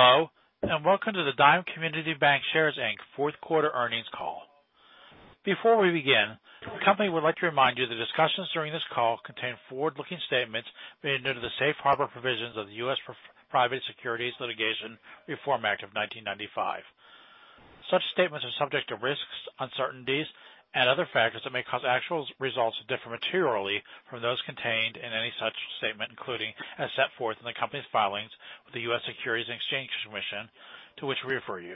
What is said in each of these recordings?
Hello, and welcome to the Dime Community Bancshares, Inc. fourth quarter earnings call. Before we begin, the company would like to remind you that discussions during this call contain forward-looking statements made under the Safe Harbor Provisions of the U.S. Private Securities Litigation Reform Act of 1995. Such statements are subject to risks, uncertainties, and other factors that may cause actual results to differ materially from those contained in any such statement, including as set forth in the company's filings with the U.S. Securities and Exchange Commission, to which we refer you.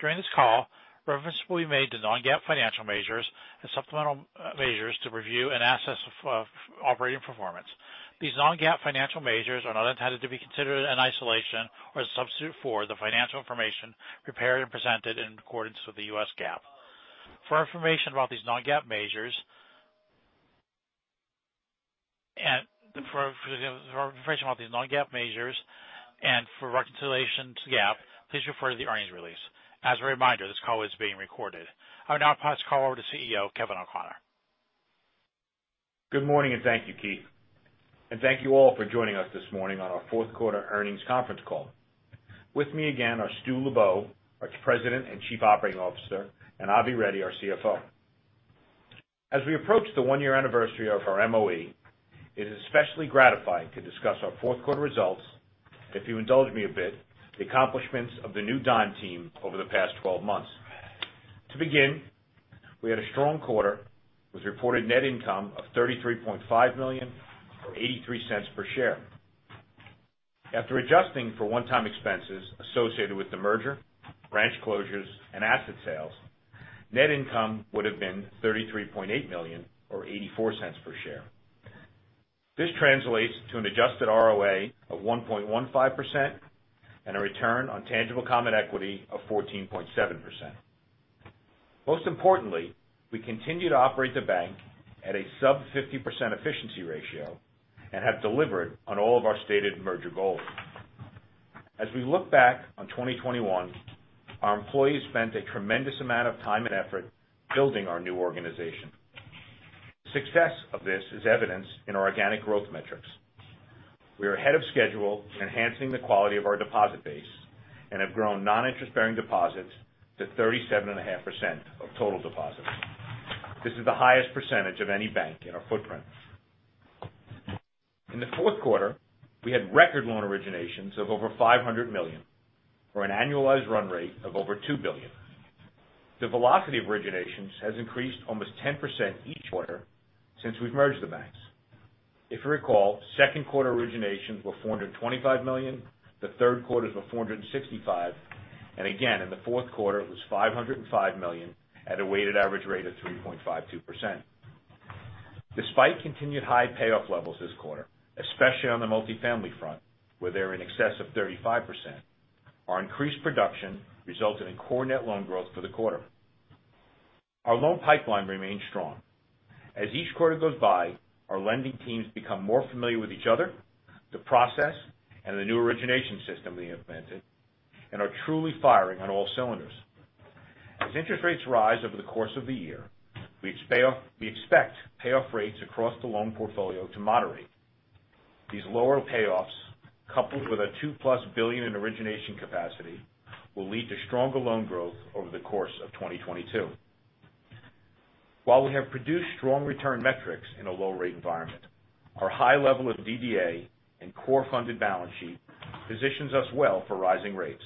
During this call, reference will be made to non-GAAP financial measures and supplemental measures to review and assess operating performance. These non-GAAP financial measures are not intended to be considered in isolation or as substitute for the financial information prepared and presented in accordance with U.S. GAAP. For information about these non-GAAP measures... For information about these non-GAAP measures and for reconciliation to GAAP, please refer to the earnings release. As a reminder, this call is being recorded. I'll now pass the call over to CEO Kevin O'Connor. Good morning, and thank you, Keith. Thank you all for joining us this morning on our fourth quarter earnings conference call. With me again are Stu Lubow, our President and Chief Operating Officer, and Avi Reddy, our CFO. As we approach the 1-year anniversary of our MOE, it is especially gratifying to discuss our fourth quarter results. If you indulge me a bit, the accomplishments of the new Team Dime over the past 12 months. To begin, we had a strong quarter with reported net income of $33.5 million or $0.83 per share. After adjusting for one-time expenses associated with the merger, branch closures, and asset sales, net income would have been $33.8 million or $0.84 per share. This translates to an adjusted ROA of 1.15% and a return on tangible common equity of 14.7%. Most importantly, we continue to operate the bank at a sub 50% efficiency ratio and have delivered on all of our stated merger goals. As we look back on 2021, our employees spent a tremendous amount of time and effort building our new organization. Success of this is evidenced in our organic growth metrics. We are ahead of schedule in enhancing the quality of our deposit base and have grown non-interest-bearing deposits to 37.5% of total deposits. This is the highest percentage of any bank in our footprint. In the fourth quarter, we had record loan originations of over $500 million or an annualized run rate of over $2 billion. The velocity of originations has increased almost 10% each quarter since we've merged the banks. If you recall, second quarter originations were $425 million, the third quarter was $465 million, and again, in the fourth quarter, it was $505 million at a weighted average rate of 3.52%. Despite continued high payoff levels this quarter, especially on the multifamily front, where they're in excess of 35%, our increased production resulted in core net loan growth for the quarter. Our loan pipeline remains strong. As each quarter goes by, our lending teams become more familiar with each other, the process, and the new origination system we implemented, and are truly firing on all cylinders. As interest rates rise over the course of the year, we expect payoff rates across the loan portfolio to moderate. These lower payoffs, coupled with a $2+ billion in origination capacity, will lead to stronger loan growth over the course of 2022. While we have produced strong return metrics in a low rate environment, our high level of DDA and core funded balance sheet positions us well for rising rates.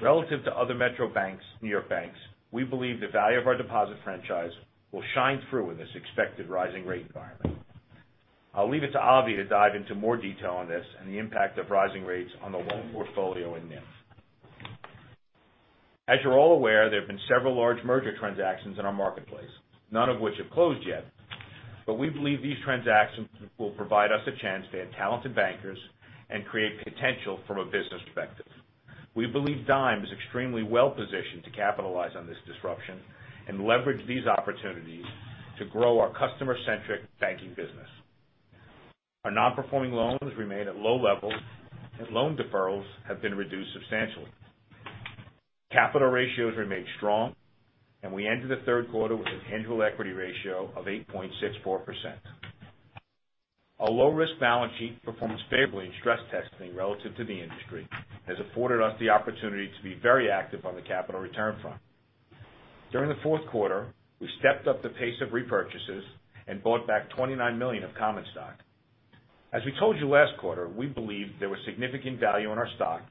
Relative to other metro banks, New York banks, we believe the value of our deposit franchise will shine through in this expected rising rate environment. I'll leave it to Avi to dive into more detail on this and the impact of rising rates on the loan portfolio and NIM. As you're all aware, there have been several large merger transactions in our marketplace, none of which have closed yet. We believe these transactions will provide us a chance to add talented bankers and create potential from a business perspective. We believe Dime is extremely well-positioned to capitalize on this disruption and leverage these opportunities to grow our customer-centric banking business. Our non-performing loans remain at low levels, and loan deferrals have been reduced substantially. Capital ratios remain strong, and we ended the third quarter with a tangible equity ratio of 8.64%. Our low-risk balance sheet performs favorably in stress testing relative to the industry, has afforded us the opportunity to be very active on the capital return front. During the fourth quarter, we stepped up the pace of repurchases and bought back $29 million of common stock. As we told you last quarter, we believe there was significant value in our stock,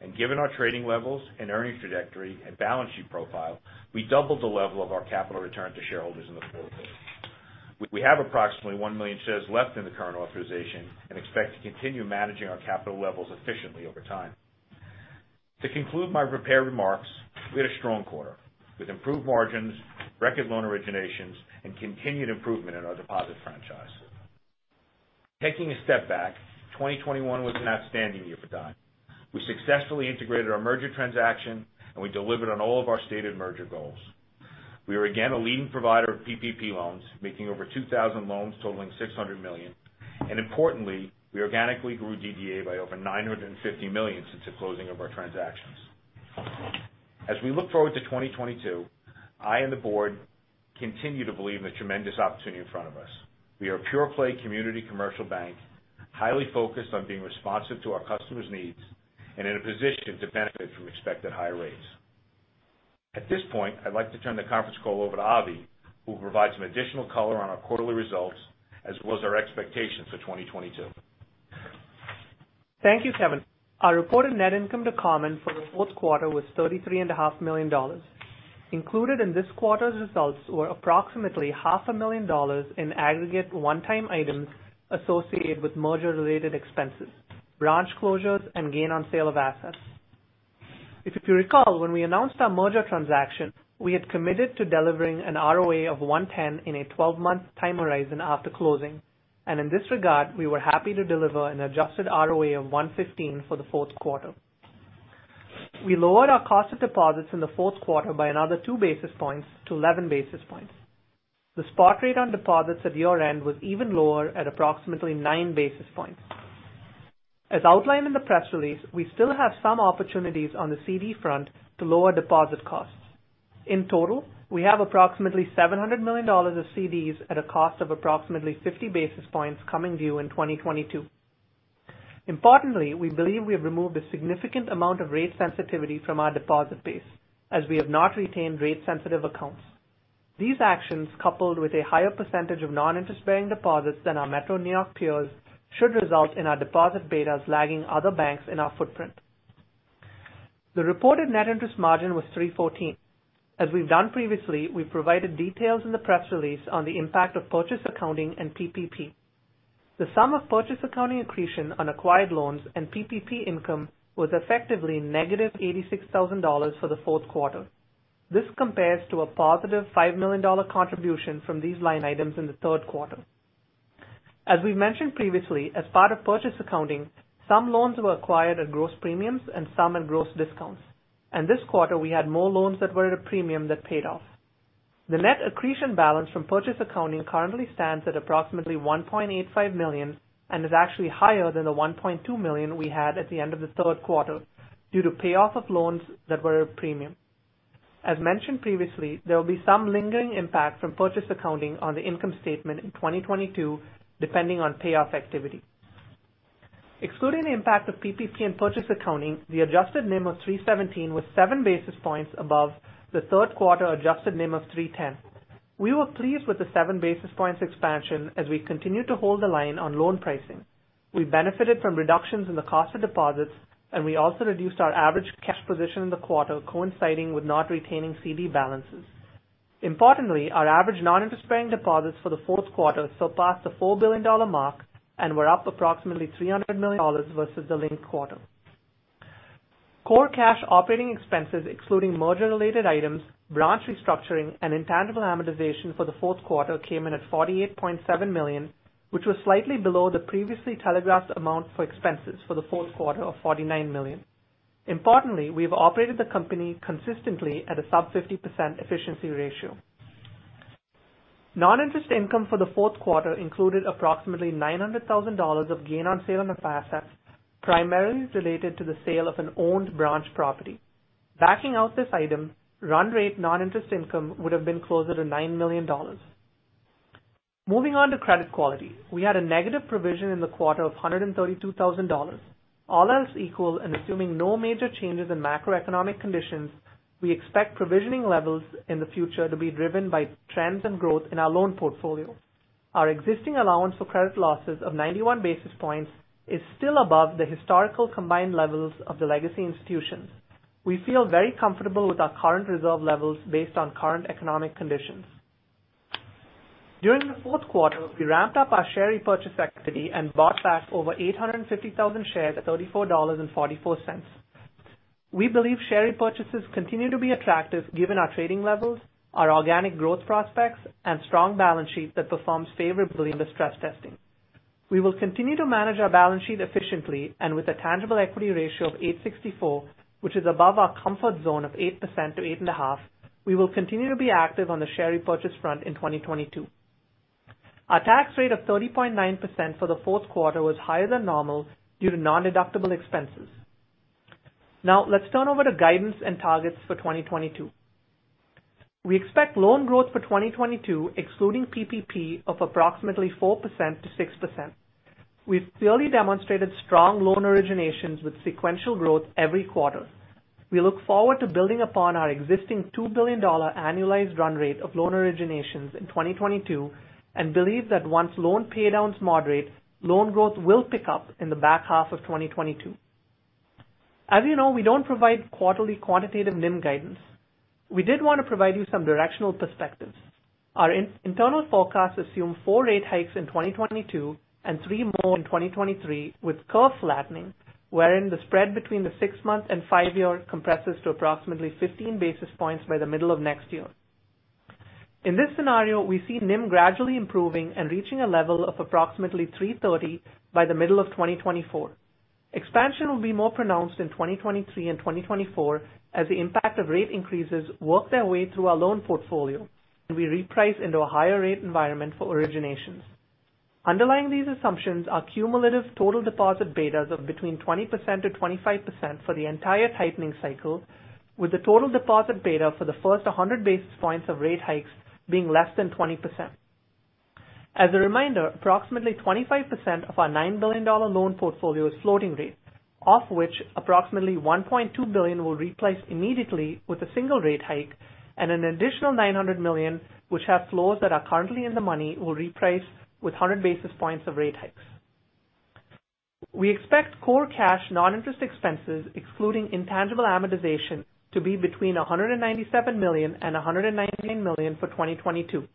and given our trading levels and earnings trajectory and balance sheet profile, we doubled the level of our capital return to shareholders in the fourth quarter. We have approximately 1 million shares left in the current authorization and expect to continue managing our capital levels efficiently over time. To conclude my prepared remarks, we had a strong quarter with improved margins, record loan originations, and continued improvement in our deposit franchise. Taking a step back, 2021 was an outstanding year for Dime. We successfully integrated our merger transaction, and we delivered on all of our stated merger goals. We are again a leading provider of PPP loans, making over 2,000 loans totaling $600 million. Importantly, we organically grew DDA by over $950 million since the closing of our transactions. As we look forward to 2022, I and the board continue to believe in the tremendous opportunity in front of us. We are a pure-play community commercial bank, highly focused on being responsive to our customers' needs and in a position to benefit from expected higher rates. At this point, I'd like to turn the conference call over to Avi, who will provide some additional color on our quarterly results as well as our expectations for 2022. Thank you, Kevin. Our reported net income to common for the fourth quarter was $33.5 million. Included in this quarter's results were approximately $0.5 million in aggregate one-time items associated with merger-related expenses, branch closures, and gain on sale of assets. If you recall, when we announced our merger transaction, we had committed to delivering an ROA of 1.10 in a 12-month time horizon after closing. In this regard, we were happy to deliver an adjusted ROA of 1.15 for the fourth quarter. We lowered our cost of deposits in the fourth quarter by another 2 basis points to 11 basis points. The spot rate on deposits at year-end was even lower at approximately 9 basis points. As outlined in the press release, we still have some opportunities on the CD front to lower deposit costs. In total, we have approximately $700 million of CDs at a cost of approximately 50 basis points coming due in 2022. Importantly, we believe we have removed a significant amount of rate sensitivity from our deposit base as we have not retained rate-sensitive accounts. These actions, coupled with a higher percentage of non-interest-bearing deposits than our Metro New York peers, should result in our deposit betas lagging other banks in our footprint. The reported net interest margin was 3.14%. As we've done previously, we've provided details in the press release on the impact of purchase accounting and PPP. The sum of purchase accounting accretion on acquired loans and PPP income was effectively -$86,000 for the fourth quarter. This compares to a positive $5 million contribution from these line items in the third quarter. As we mentioned previously, as part of purchase accounting, some loans were acquired at gross premiums and some at gross discounts. This quarter, we had more loans that were at a premium that paid off. The net accretion balance from purchase accounting currently stands at approximately $1.85 million and is actually higher than the $1.2 million we had at the end of the third quarter due to payoff of loans that were at a premium. As mentioned previously, there will be some lingering impact from purchase accounting on the income statement in 2022, depending on payoff activity. Excluding the impact of PPP and purchase accounting, the adjusted NIM of 3.17% was 7 basis points above the third quarter adjusted NIM of 3.10%. We were pleased with the 7 basis points expansion as we continued to hold the line on loan pricing. We benefited from reductions in the cost of deposits, and we also reduced our average cash position in the quarter coinciding with not retaining CD balances. Importantly, our average non-interest-bearing deposits for the fourth quarter surpassed the $4 billion mark and were up approximately $300 million versus the linked quarter. Core cash operating expenses, excluding merger-related items, branch restructuring, and intangible amortization for the fourth quarter came in at $48.7 million, which was slightly below the previously telegraphed amount for expenses for the fourth quarter of $49 million. Importantly, we have operated the company consistently at a sub 50% efficiency ratio. Non-interest income for the fourth quarter included approximately $900,000 of gain on sale of the assets, primarily related to the sale of an owned branch property. Backing out this item, run rate non-interest income would have been closer to $9 million. Moving on to credit quality. We had a negative provision in the quarter of $132,000. All else equal, and assuming no major changes in macroeconomic conditions, we expect provisioning levels in the future to be driven by trends and growth in our loan portfolio. Our existing allowance for credit losses of 91 basis points is still above the historical combined levels of the legacy institutions. We feel very comfortable with our current reserve levels based on current economic conditions. During the fourth quarter, we ramped up our share repurchase activity and bought back over 850,000 shares at $34.44. We believe share repurchases continue to be attractive given our trading levels, our organic growth prospects, and strong balance sheet that performs favorably in the stress testing. We will continue to manage our balance sheet efficiently and with a tangible equity ratio of 8.64, which is above our comfort zone of 8% to 8.5%. We will continue to be active on the share repurchase front in 2022. Our tax rate of 30.9% for the fourth quarter was higher than normal due to non-deductible expenses. Now, let's turn over to guidance and targets for 2022. We expect loan growth for 2022, excluding PPP, of approximately 4%-6%. We've clearly demonstrated strong loan originations with sequential growth every quarter. We look forward to building upon our existing $2 billion annualized run rate of loan originations in 2022 and believe that once loan paydowns moderate, loan growth will pick up in the back half of 2022. As you know, we don't provide quarterly quantitative NIM guidance. We did want to provide you some directional perspectives. Our internal forecasts assume 4 rate hikes in 2022 and 3 more in 2023, with curve flattening, wherein the spread between the 6-month and 5-year compresses to approximately 15 basis points by the middle of next year. In this scenario, we see NIM gradually improving and reaching a level of approximately 3.30% by the middle of 2024. Expansion will be more pronounced in 2023 and 2024 as the impact of rate increases work their way through our loan portfolio, and we reprice into a higher rate environment for originations. Underlying these assumptions are cumulative total deposit betas of between 20%-25% for the entire tightening cycle, with the total deposit beta for the first 100 basis points of rate hikes being less than 20%. As a reminder, approximately 25% of our $9 billion loan portfolio is floating rate, of which approximately $1.2 billion will reprice immediately with a single rate hike and an additional $900 million which have floors that are currently in the money will reprice with 100 basis points of rate hikes. We expect core cash non-interest expenses, excluding intangible amortization, to be between $197 million and $119 million for 2022.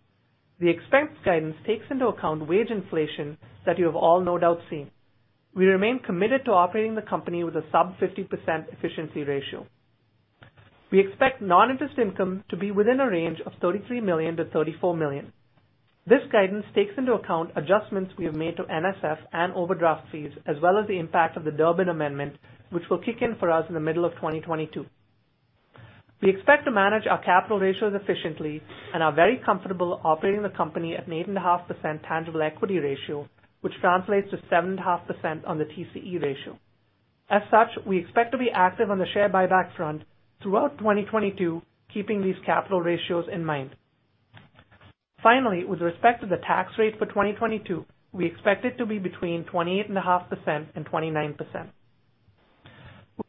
The expense guidance takes into account wage inflation that you have all no doubt seen. We remain committed to operating the company with a sub 50% efficiency ratio. We expect non-interest income to be within a range of $33 million-$34 million. This guidance takes into account adjustments we have made to NSF and overdraft fees, as well as the impact of the Durbin Amendment, which will kick in for us in the middle of 2022. We expect to manage our capital ratios efficiently and are very comfortable operating the company at an 8.5% tangible equity ratio, which translates to 7.5% on the TCE ratio. As such, we expect to be active on the share buyback front throughout 2022, keeping these capital ratios in mind. Finally, with respect to the tax rate for 2022, we expect it to be between 28.5% and 29%.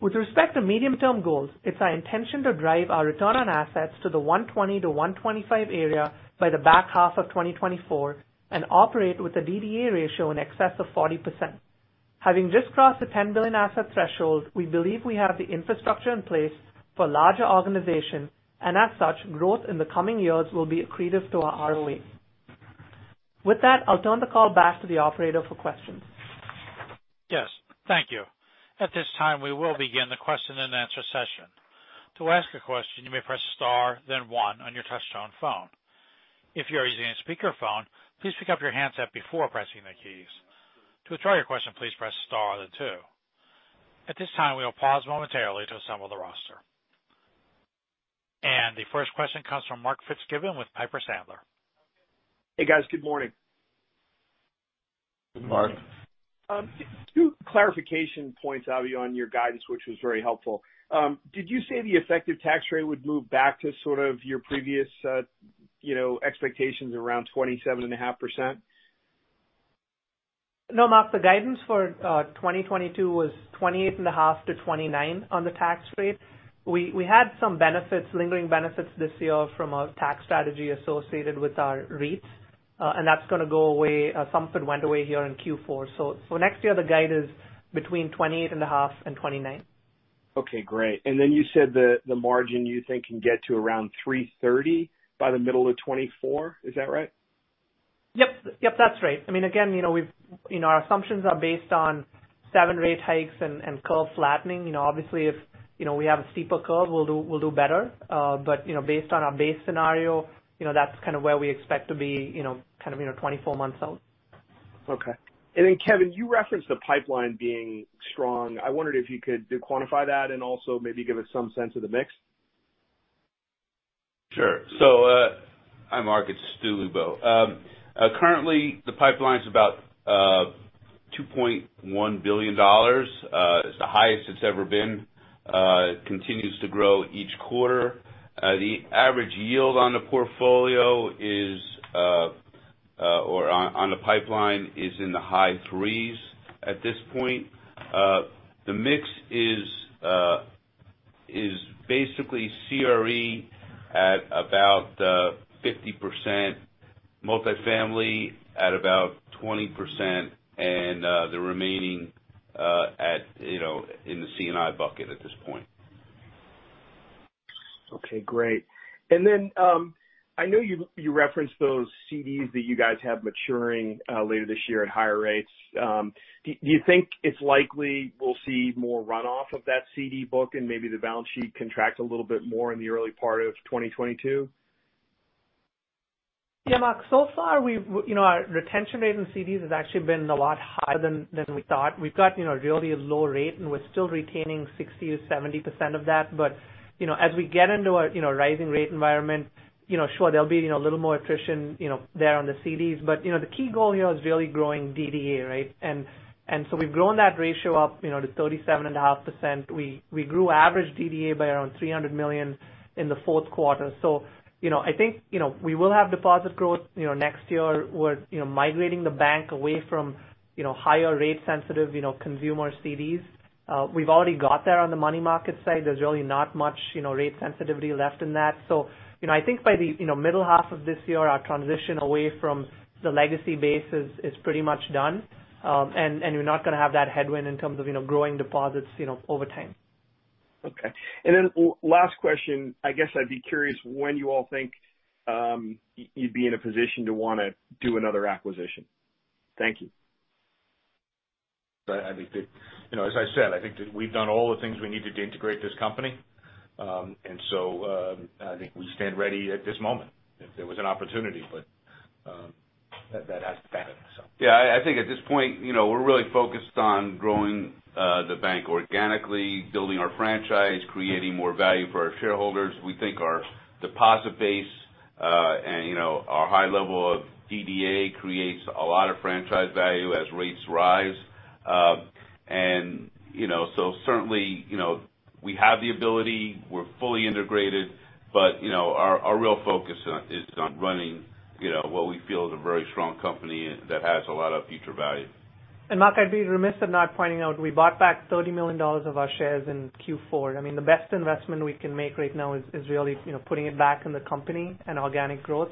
With respect to medium-term goals, it's our intention to drive our return on assets to the 1.20-1.25 area by the back half of 2024 and operate with a DDA ratio in excess of 40%. Having just crossed the $10 billion asset threshold, we believe we have the infrastructure in place for larger organizations, and as such, growth in the coming years will be accretive to our ROA. With that, I'll turn the call back to the operator for questions. Yes. Thank you. At this time, we will begin the question and answer session. To ask a question, you may press star then one on your touchtone phone. If you are using a speakerphone, please pick up your handset before pressing the keys. To withdraw your question, please press star then two. At this time, we will pause momentarily to assemble the roster. The first question comes from Mark Fitzgibbon with Piper Sandler. Hey, guys. Good morning. Good morning. Two clarification points, Avi, on your guidance, which was very helpful. Did you say the effective tax rate would move back to sort of your previous, you know, expectations around 27.5%? No, Mark, the guidance for 2022 was 28.5%-29% on the tax rate. We had some benefits, lingering benefits this year from our tax strategy associated with our REITs, and that's gonna go away. Some went away here in Q4. Next year the guide is between 28.5% and 29%. Okay, great. You said the margin you think can get to around 3.30% by the middle of 2024. Is that right? Yep. Yep, that's right. I mean, again, you know, our assumptions are based on seven rate hikes and curve flattening. You know, obviously if, you know, we have a steeper curve, we'll do better. But, you know, based on our base scenario, you know, that's kind of where we expect to be, you know, kind of, you know, 24 months out. Okay. Kevin, you referenced the pipeline being strong. I wondered if you could quantify that and also maybe give us some sense of the mix. Hi Mark, it's Stu Lubow. Currently the pipeline's about $2.1 billion. It's the highest it's ever been. It continues to grow each quarter. The average yield on the pipeline is in the high 3s% at this point. The mix is basically CRE at about 50%, multifamily at about 20% and the remaining in the C&I bucket at this point. Okay, great. I know you referenced those CDs that you guys have maturing later this year at higher rates. Do you think it's likely we'll see more runoff of that CD book and maybe the balance sheet contract a little bit more in the early part of 2022? Yeah, Mark. So far, we've you know, our retention rate in CDs has actually been a lot higher than we thought. We've got, you know, really a low rate, and we're still retaining 60%-70% of that. You know, as we get into a, you know, rising rate environment, you know, sure, there'll be, you know, a little more attrition, you know, there on the CDs. You know, the key goal here is really growing DDA, right? We've grown that ratio up, you know, to 37.5%. We grew average DDA by around $300 million in the fourth quarter. You know, I think, you know, we will have deposit growth, you know, next year. We're, you know, migrating the bank away from, you know, higher rate sensitive, you know, consumer CDs. We've already got there on the money market side. There's really not much, you know, rate sensitivity left in that. You know, I think by the, you know, middle half of this year, our transition away from the legacy base is pretty much done. We're not gonna have that headwind in terms of, you know, growing deposits, you know, over time. Okay. Last question. I guess I'd be curious when you all think you'd be in a position to wanna do another acquisition. Thank you. I think that, you know, as I said, I think that we've done all the things we need to deintegrate this company. I think we stand ready at this moment if there was an opportunity, but that hasn't happened, so. Yeah, I think at this point, you know, we're really focused on growing the bank organically, building our franchise, creating more value for our shareholders. We think our deposit base and, you know, our high level of DDA creates a lot of franchise value as rates rise. Certainly, you know, we have the ability, we're fully integrated, but, you know, our real focus is on running, you know, what we feel is a very strong company and that has a lot of future value. Mark, I'd be remiss in not pointing out we bought back $30 million of our shares in Q4. I mean, the best investment we can make right now is really, you know, putting it back in the company and organic growth.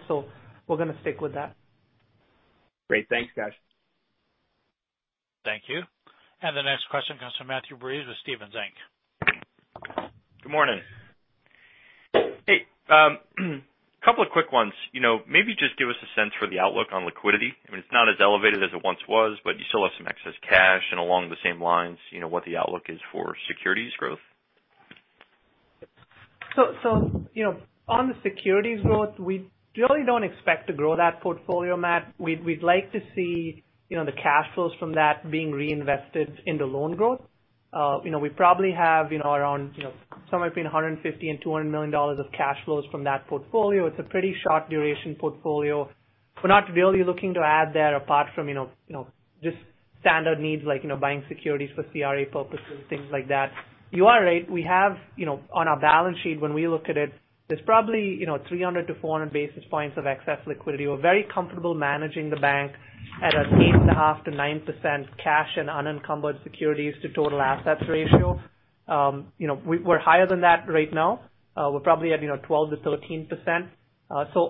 We're gonna stick with that. Great. Thanks, guys. Thank you. The next question comes from Matthew Breese with Stephens Inc. Good morning. Hey, couple of quick ones. You know, maybe just give us a sense for the outlook on liquidity. I mean, it's not as elevated as it once was, but you still have some excess cash. Along the same lines, you know, what the outlook is for securities growth. You know, on the securities growth, we really don't expect to grow that portfolio, Matt. We'd like to see, you know, the cash flows from that being reinvested into loan growth. You know, we probably have, you know, around, you know, somewhere between $150 million-$200 million of cash flows from that portfolio. It's a pretty short duration portfolio. We're not really looking to add there, apart from, you know, you know, just standard needs like, you know, buying securities for CRA purposes, things like that. You are right. We have, you know, on our balance sheet, when we look at it, there's probably, you know, 300-400 basis points of excess liquidity. We're very comfortable managing the bank at an 8.5%-9% cash and unencumbered securities to total assets ratio. You know, we're higher than that right now. We're probably at, you know, 12%-13%.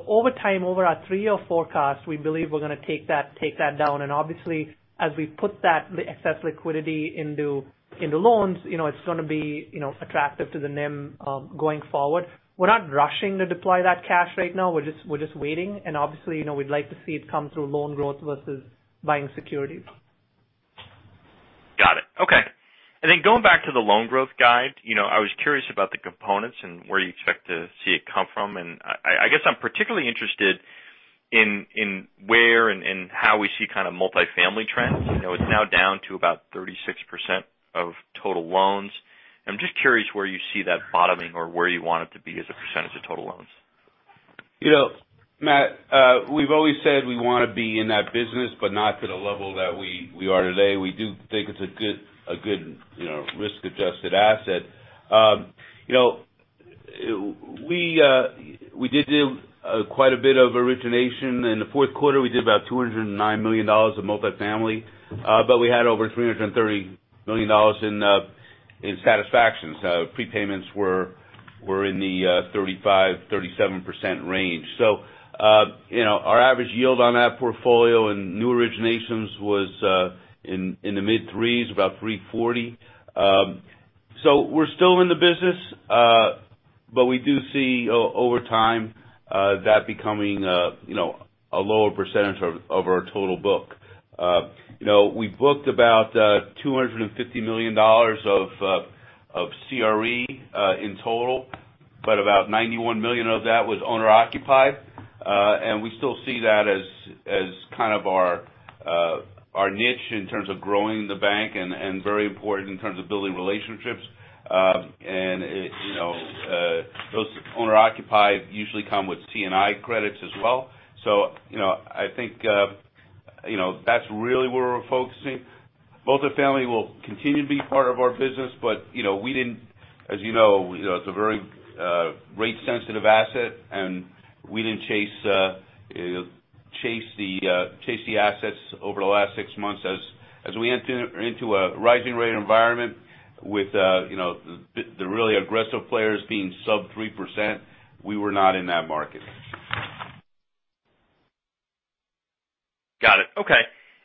Over time, over our three-year forecast, we believe we're gonna take that down. Obviously, as we put that excess liquidity into loans, you know, it's gonna be, you know, attractive to the NIM going forward. We're not rushing to deploy that cash right now. We're just waiting and obviously, you know, we'd like to see it come through loan growth versus buying securities. Got it. Okay. going back to the loan growth guide, you know, I was curious about the components and where you expect to see it come from. I guess I'm particularly interested in where and how we see kind of multifamily trends. You know, it's now down to about 36% of total loans. I'm just curious where you see that bottoming or where you want it to be as a percentage of total loans. You know, Matt, we've always said we wanna be in that business, but not to the level that we are today. We do think it's a good, you know, risk-adjusted asset. You know, we did do quite a bit of origination. In the fourth quarter, we did about $209 million of multifamily, but we had over $330 million in satisfactions. So prepayments were in the 35%-37% range. So, you know, our average yield on that portfolio and new originations was in the mid threes, about 3.40%. So we're still in the business, but we do see over time that becoming, you know, a lower percentage of our total book. You know, we booked about $250 million of CRE in total, but about $91 million of that was owner-occupied. We still see that as kind of our niche in terms of growing the bank and very important in terms of building relationships. You know, those owner-occupied usually come with C&I credits as well. You know, I think that's really where we're focusing. Multifamily will continue to be part of our business, but as you know, it's a very rate sensitive asset, and we didn't chase the assets over the last six months as we enter into a rising rate environment with you know, the really aggressive players being sub 3%. We were not in that market. Got it. Okay.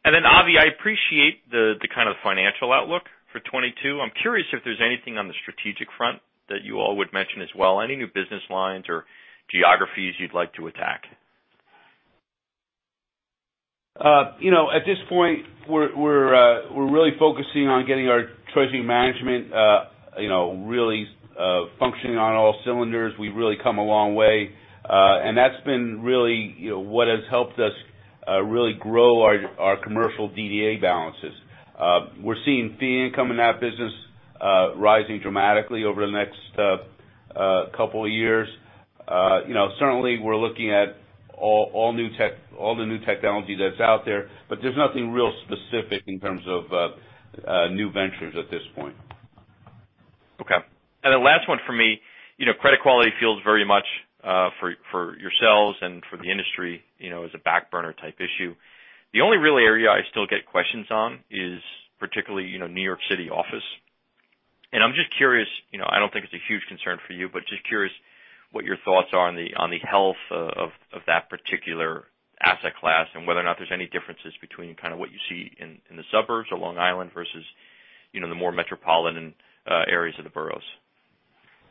Avi, I appreciate the kind of financial outlook for 2022. I'm curious if there's anything on the strategic front that you all would mention as well. Any new business lines or geographies you'd like to attack? You know, at this point we're really focusing on getting our treasury management, you know, really functioning on all cylinders. We've really come a long way. That's been really, you know, what has helped us really grow our commercial DDA balances. We're seeing fee income in that business rising dramatically over the next couple of years. You know, certainly we're looking at all the new technology that's out there, but there's nothing real specific in terms of new ventures at this point. Okay. The last one for me, you know, credit quality feels very much for yourselves and for the industry, you know, as a back burner type issue. The only real area I still get questions on is particularly, you know, New York City office. I'm just curious, you know, I don't think it's a huge concern for you, but just curious what your thoughts are on the health of that particular asset class and whether or not there's any differences between kind of what you see in the suburbs or Long Island versus, you know, the more metropolitan areas of the boroughs.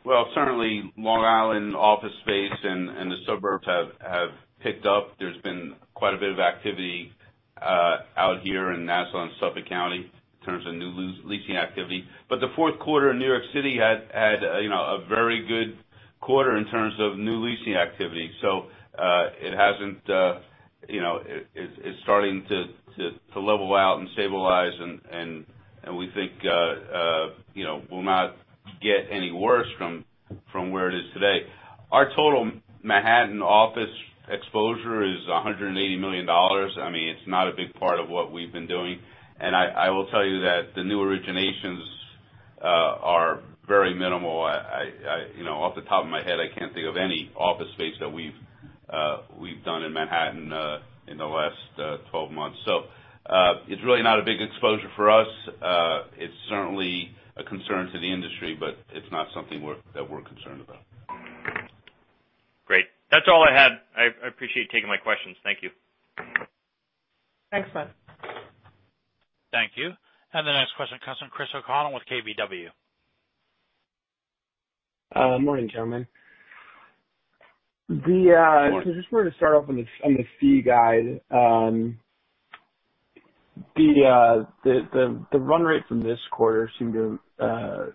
Well, certainly Long Island office space and the suburbs have picked up. There's been quite a bit of activity out here in Nassau and Suffolk County in terms of new leasing activity. The fourth quarter in New York City had, you know, a very good quarter in terms of new leasing activity. It hasn't, you know, it's starting to level out and stabilize and we think, you know, we'll not get any worse from where it is today. Our total Manhattan office exposure is $180 million. I mean, it's not a big part of what we've been doing. I will tell you that the new originations are very minimal. I, you know, off the top of my head, I can't think of any office space that we've done in Manhattan in the last 12 months. It's really not a big exposure for us. It's certainly a concern to the industry, but it's not something we're concerned about. Great. That's all I had. I appreciate you taking my questions. Thank you. Thanks, Matt. Thank you. The next question comes from Chris O'Connell with KBW. Morning, gentlemen. Morning. I just wanted to start off on the fee guide. The run rate from this quarter seemed to,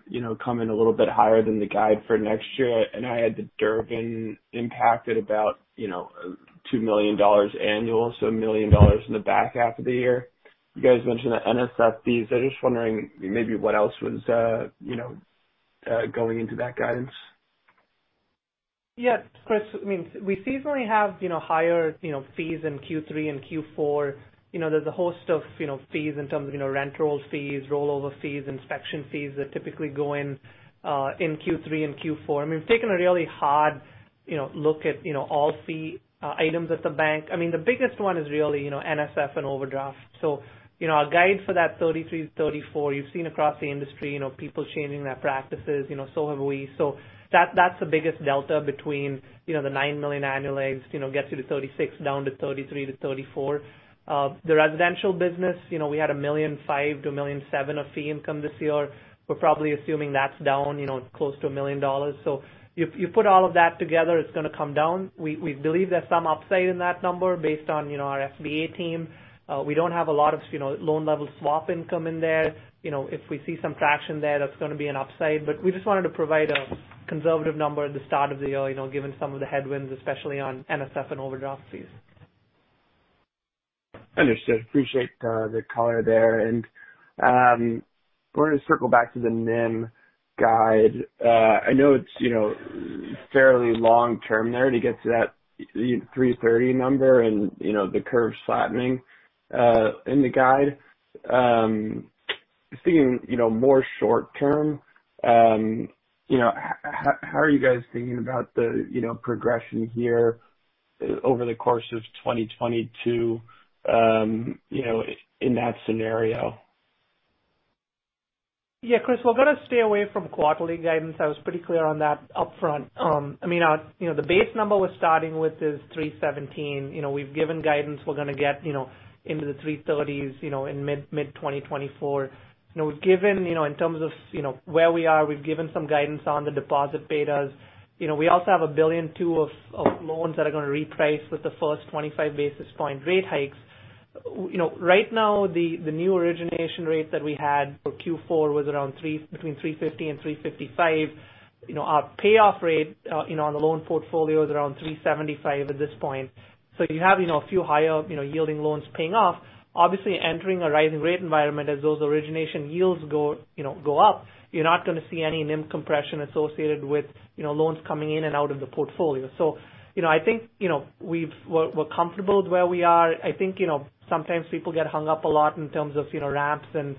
you know, come in a little bit higher than the guide for next year. I had the Durbin impacted about, you know, $2 million annual, so $1 million in the back half of the year. You guys mentioned the NSF fees. I'm just wondering maybe what else was, you know, going into that guidance. Yeah. Chris, I mean, we seasonally have, you know, higher, you know, fees in Q3 and Q4. You know, there's a host of, you know, fees in terms of, you know, rent roll fees, rollover fees, inspection fees that typically go in in Q3 and Q4. I mean, we've taken a really hard, you know, look at, you know, all fee items at the bank. I mean, the biggest one is really, you know, NSF and overdraft. So, you know, our guide for that $33-$34 million, you've seen across the industry, you know, people changing their practices, you know. So have we. So that's the biggest delta between, you know, the $9 million annualized, you know, gets you to $36 million down to $33-$34 million. The residential business, you know, we had $1.5 million-$1.7 million of fee income this year. We're probably assuming that's down, you know, close to $1 million. If you put all of that together, it's gonna come down. We believe there's some upside in that number based on, you know, our SBA team. We don't have a lot of, you know, loan-level swap income in there. You know, if we see some traction there, that's gonna be an upside. We just wanted to provide a conservative number at the start of the year, you know, given some of the headwinds, especially on NSF and overdraft fees. Understood. Appreciate the color there. We're gonna circle back to the NIM guide. I know it's you know fairly long-term there to get to that 3.30% number and you know the curve flattening in the guide. Thinking you know more short term you know how are you guys thinking about the you know progression here over the course of 2022 you know in that scenario? Yeah, Chris, we're gonna stay away from quarterly guidance. I was pretty clear on that upfront. I mean, our you know, the base number we're starting with is 3.17%. You know, we've given guidance. We're gonna get, you know, into the 3.30s, you know, in mid-2024. You know, we've given, you know, in terms of, you know, where we are, we've given some guidance on the deposit betas. You know, we also have $1.2 billion of loans that are gonna reprice with the first 25 basis point rate hikes. You know, right now the new origination rates that we had for Q4 was around between 3.50% and 3.55%. You know, our payoff rate, you know, on the loan portfolio is around 3.75% at this point. You have, you know, a few higher, you know, yielding loans paying off. Obviously, entering a rising rate environment as those origination yields go, you know, go up, you're not gonna see any NIM compression associated with, you know, loans coming in and out of the portfolio. You know, I think, you know, we're comfortable with where we are. I think, you know, sometimes people get hung up a lot in terms of, you know, ramps and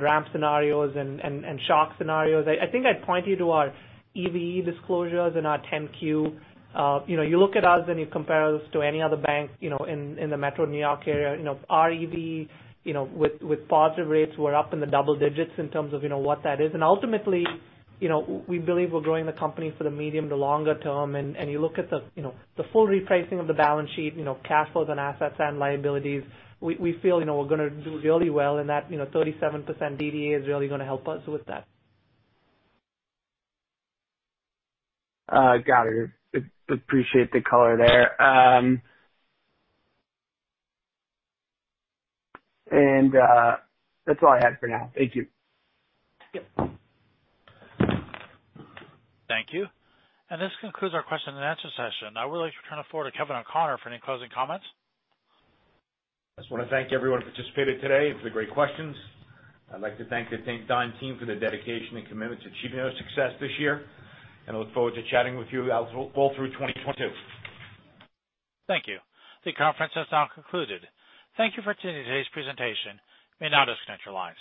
ramp scenarios and shock scenarios. I think I'd point you to our EVE disclosures in our 10-Q. You know, you look at us and you compare us to any other bank, you know, in the metro New York area. You know, our EVE, you know, with positive rates, we're up in the double digits in terms of, you know, what that is. Ultimately, you know, we believe we're growing the company for the medium to longer term. You look at the, you know, the full repricing of the balance sheet, you know, cash flows and assets and liabilities, we feel, you know, we're gonna do really well in that. You know, 37% DDA is really gonna help us with that. Appreciate the color there. That's all I had for now. Thank you. Yep. Thank you. This concludes our question and answer session. I would like to turn the floor to Kevin O'Connor for any closing comments. I just wanna thank everyone who participated today for the great questions. I'd like to thank the Team Dime team for their dedication and commitment to achieving our success this year, and I look forward to chatting with you all through 2022. Thank you. The conference has now concluded. Thank you for attending today's presentation. You may now disconnect your lines.